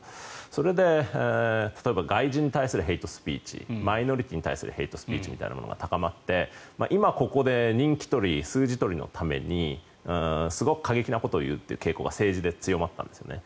それで例えば、外人に対するヘイトスピーチマイノリティーに対するヘイトスピーチみたいなものが高まって今ここで人気取り数字取りのためにすごく過激なことを言うっていう傾向が政治で強まったんですよね。